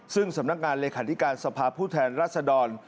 ซึ่งสำนักงานเลขาธิการสภาพผู้แทนรัศดร